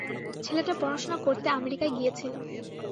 ছেলেটা পড়াশোনা করতে আমেরিকায় গিয়েছিল।